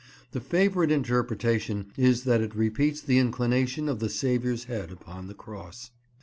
The favourite interpretation is that it repeats the inclination of the Saviour's head upon the Cross.